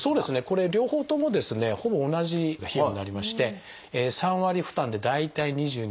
これ両方ともですねほぼ同じ費用になりまして３割負担で大体２２万円程度です。